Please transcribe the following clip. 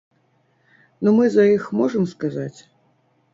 Ну мы за іх можам сказаць?